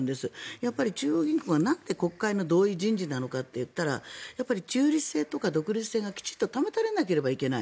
やっぱり中央銀行がなんで国会の同意人事なのかって言ったら中立性とか独立性がきちんと保たれないといけない。